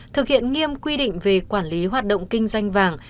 thực hiện nghiêm quy định về quản lý hoạt động kinh doanh vàng